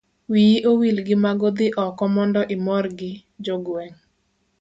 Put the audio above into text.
wiyi owil gi mago dhi oko mondo imor gi jo gweng'